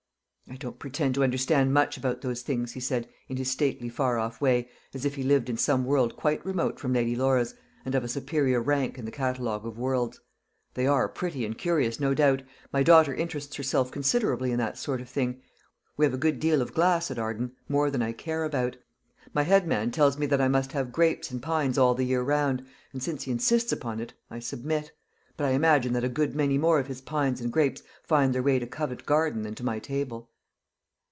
"I don't pretend to understand much about those things," he said, in his stately far off way, as if he lived in some world quite remote from Lady Laura's, and of a superior rank in the catalogue of worlds. "They are pretty and curious, no doubt. My daughter interests herself considerably in that sort of thing. We have a good deal of glass at Arden more than I care about. My head man tells me that I must have grapes and pines all the year round: and since he insists upon it, I submit. But I imagine that a good many more of his pines and grapes find their way to Covent Garden than to my table."